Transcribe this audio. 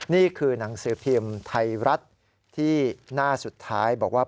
นี่คือหนังสือพิมพ์ไทยรัฐที่หน้าสุดท้ายบอกว่า